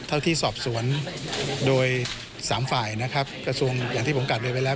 เท่าที่สอบสวนโดยสามฝ่ายนะครับกระทรวงอย่างที่ผมกลับเรียนไปแล้ว